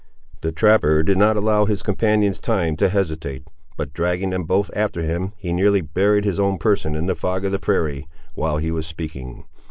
The trapper did not allow his companions time to hesitate, but dragging them both after him, he nearly buried his own person in the fog of the prairie, while he was speaking.